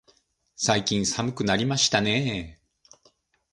最近寒くなりましたね。